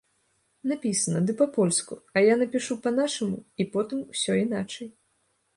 Напісана, ды па-польску, а я напішу па-нашаму і потым усё іначай.